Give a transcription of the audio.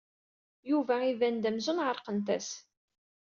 Yuba iban-d amzun ɛerqent-as.